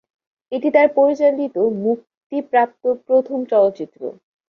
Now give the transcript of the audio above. এটি তার পরিচালিত মুক্তিপ্রাপ্ত প্রথম চলচ্চিত্র।